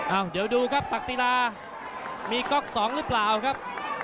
เดี๋ยวดูครับตักศิลามีก๊อกสองหรือเปล่าครับ